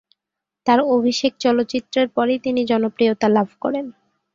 তার অভিষেক চলচ্চিত্রের পরই তিনি জনপ্রিয়তা লাভ করেন।